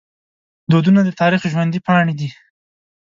دودونه د تاریخ ژوندي پاڼې دي.